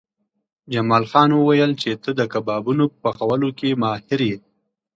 جمال خان وویل چې ته د کبابونو په پخولو کې ماهر یې